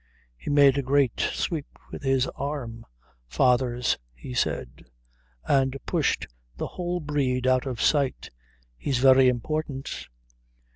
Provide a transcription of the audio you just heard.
He made a great sweep with his arm. "Fathers," he said; and pushed the whole breed out of sight. "He's very important."